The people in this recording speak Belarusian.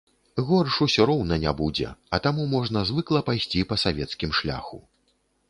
Горш усё роўна не будзе, а таму можна звыкла пайсці па савецкім шляху.